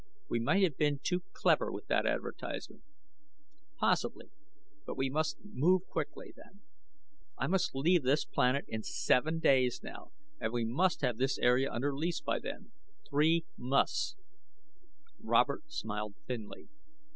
We might have been too clever with that advertisement." "Possibly. But, we must move quickly, then. I must leave this planet in seven days now. And we must have this area under lease by then. Three musts!" Robert smiled thinly.